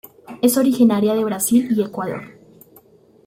Es originaria de Brasil y Ecuador.